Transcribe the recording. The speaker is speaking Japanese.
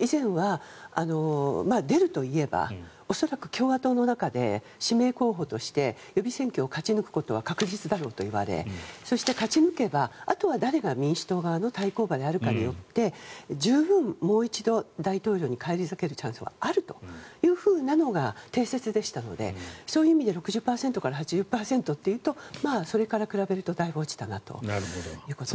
以前は出ると言えば恐らく共和党の中で指名候補として予備選挙を勝ち抜くことは確実だろうといわれそして勝ち抜けばあとは誰が民主党側の対抗馬であるかによって十分もう一度、大統領に返り咲けるチャンスはあるというふうなのが定説でしたのでそういう意味で６０％から８０％というとそれから比べるとだいぶ落ちたなということです。